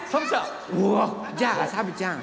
じゃあさぶちゃん！